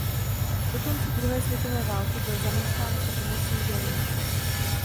Do konce druhé světové války byl zaměstnán jako pomocný dělník.